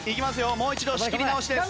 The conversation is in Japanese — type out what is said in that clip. もう一度仕切り直しです。